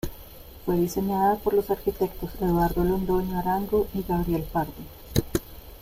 Fue diseñada por los arquitectos Eduardo Londoño Arango y Gabriel Pardo.